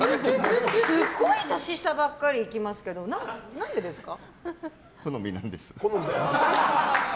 すごい年下ばっかりいきますけど好みなんです。